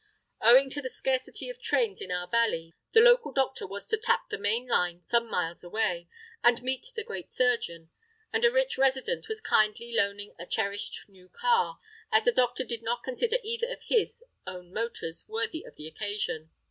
Owing to the scarcity of trains in our valley, the local doctor was to tap the main line some miles away, and meet the great surgeon; and a rich resident was kindly loaning a cherished new car, as the doctor did not consider either of his own motors worthy of the occasion.